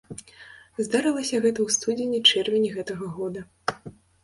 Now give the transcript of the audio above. Здарылася гэта ў студзені-чэрвені гэтага года.